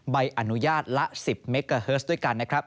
ใบอนุญาตละ๑๐เมกาเฮิร์สด้วยกันนะครับ